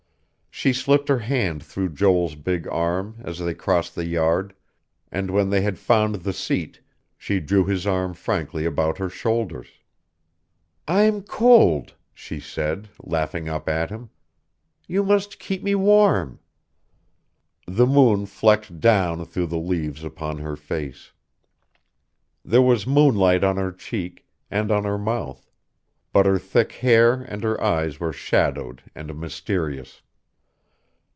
She slipped her hand through Joel's big arm as they crossed the yard; and when they had found the seat, she drew his arm frankly about her shoulders. "I'm cold," she said, laughing up at him. "You must keep me warm...." The moon flecked down through the leaves upon her face. There was moonlight on her cheek, and on her mouth; but her thick hair and her eyes were shadowed and mysterious.